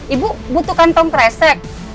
ibu butuh kantong kresek